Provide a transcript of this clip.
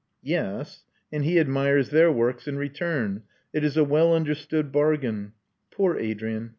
Yes; and he admires their works in return. It is a well understood bargain. Poor Adrian